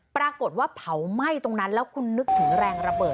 ปรากฏว่าเผาไหม้ตรงนั้นแล้วคุณนึกถึงแรงระเบิด